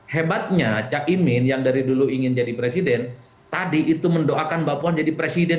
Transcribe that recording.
hebatnya cak imin yang dari dulu ingin jadi presiden tadi itu mendoakan mbak puan jadi presiden